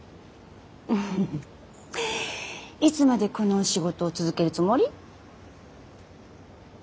いつまでこのお仕事を続けるつもり？